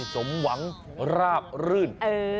สมหวังราบรื่น